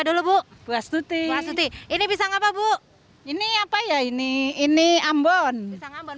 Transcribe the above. dulu bu buas tuti ini bisa enggak pak bu ini apa ya ini ini ambon ini pisang apa ya ini ini ambon